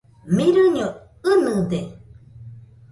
Mirɨño ɨnɨde.